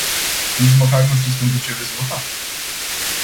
Nici măcar nu știți pentru ce veți vota.